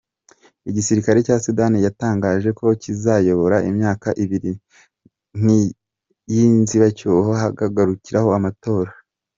Igisirikare cya Sudan cyatangaje ko kizayobora imyaka ibiri y’inzibacyuho, hagakurikiraho amatora.